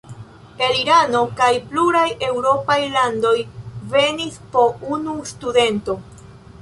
El Irano kaj pluraj eŭropaj landoj venis po unu studento.